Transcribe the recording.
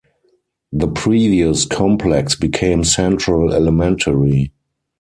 The previous complex became Central Elementary.